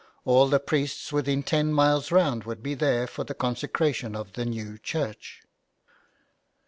All the priests within ten miles round would be there for the consecration of the new church.